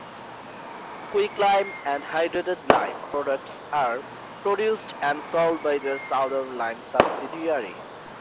Quicklime and hydrated lime products are produced and sold by their Southern Lime subsidiary.